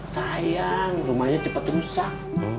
sayang rumahnya cepat rusak